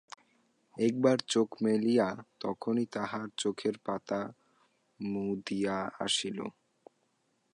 একবার চোখ মেলিয়া তখনই তাহার চোখের পাতা মুদিয়া আসিল।